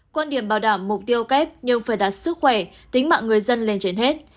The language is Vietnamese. quan điểm bảo đảm mục tiêu kép nhưng phải đặt sức khỏe tính mạng người dân lên trên hết